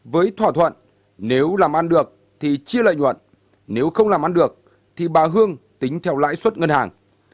với thỏa thuận nếu làm ăn được thì chia lợi nhuận nếu không làm ăn được thì bà hương tính theo lãi suất ngân hàng